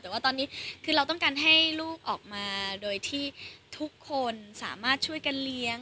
แต่ว่าตอนนี้คือเราต้องการให้ลูกออกมาโดยที่ทุกคนสามารถช่วยกันเลี้ยง